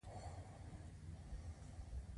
آیا هغه کولی شي ووايي چې ما ارزښت لوړ کړی